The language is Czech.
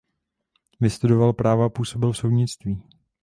Vystudoval práva a působil v soudnictví.